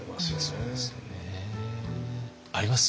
そうですよね。あります？